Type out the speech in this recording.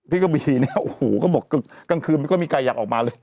พี่กบีเนี่ยโอ้โหเขาบอกกลางคืนก็มีใครอยากออกมาเลย